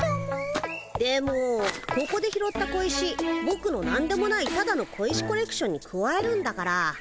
でもここで拾った小石ぼくのなんでもないただの小石コレクションにくわえるんだから。